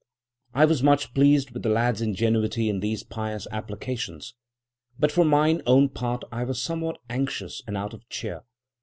"I was much pleased with the lad's ingenuity in these pious applications, but for mine own part I was somewhat anxious and out of cheer.